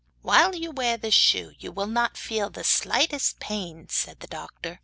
'While you wear this shoe you will not feel the slightest pain,' said the doctor.